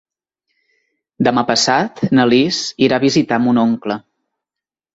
Demà passat na Lis irà a visitar mon oncle.